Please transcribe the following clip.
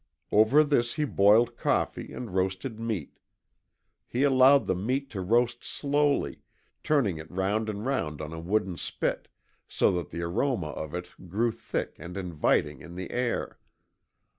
Over this he boiled coffee and roasted meat. He allowed the meat to roast slowly, turning it round and round on a wooden spit, so that the aroma of it grew thick and inviting in the air.